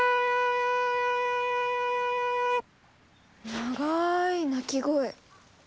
長い鳴き声。